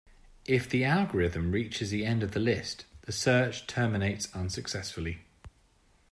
If the algorithm reaches the end of the list, the search terminates unsuccessfully.